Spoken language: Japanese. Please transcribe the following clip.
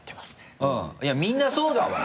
いやみんなそうだわ！